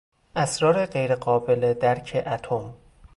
اسرار غیرقابل درک اتم